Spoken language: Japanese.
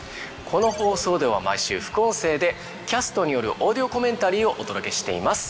この放送では毎週副音声でキャストによるオーディオコメンタリーをお届けしています。